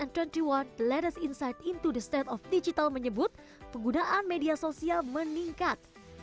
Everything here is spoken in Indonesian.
the latest insight into the state of digital menyebut penggunaan media sosial meningkat